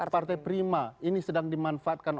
partai prima ini sedang dimanfaatkan